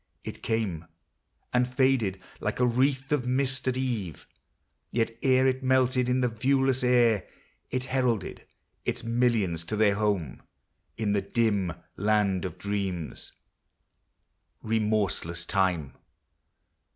It came, And faded like a wreath of mist at eve ; Yet ere it melted in the viewless air It heralded its millions to their home In the dim land of dreams MEMORY. 300 Remorseless Time